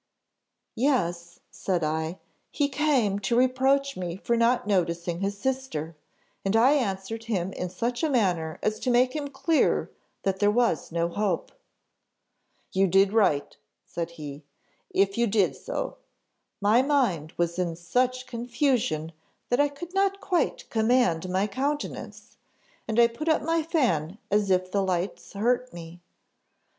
"'Yes,' said I; 'he came to reproach me for not noticing his sister, and I answered him in such a manner as to make him clear that there was no hope.' "'You did right,' said he, 'if you did so.' My mind was in such confusion that I could not quite command my countenance, and I put up my fan as if the lights hurt me.